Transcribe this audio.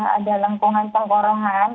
sama sama nanti ada lengkungan tengkorongan